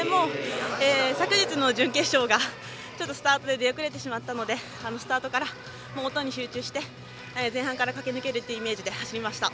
昨日の準決勝がスタートで出遅れてしまったのでスタートから音に集中して前半から駆け抜けるっていうイメージで走りました。